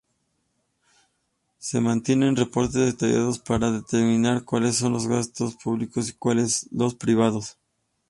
Se mantienen reportes detallados para determinar cuales son gastos públicos y cuales privados.